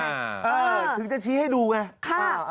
ถึงจะชี้ให้ดูไง